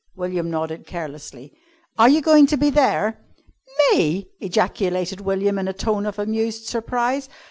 William nodded carelessly. "Are you going to be there?" "Me!" ejaculated William in a tone of amused surprise.